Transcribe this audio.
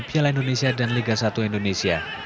piala indonesia dan liga satu indonesia